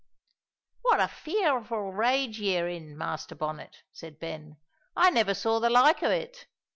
"What a fearful rage ye're in, Master Bonnet," said Ben. "I never saw the like o' it.